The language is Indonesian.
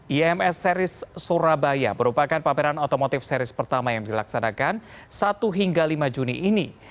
ims series surabaya merupakan pameran otomotif series pertama yang dilaksanakan satu hingga lima juni ini